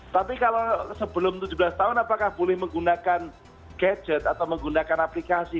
tapi kalau sebelum tujuh belas tahun apakah boleh menggunakan gadget atau menggunakan aplikasi